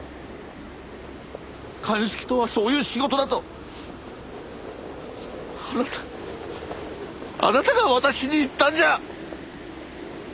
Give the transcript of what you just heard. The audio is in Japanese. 鑑識とはそういう仕事だとあなたあなたが私に言ったんじゃ！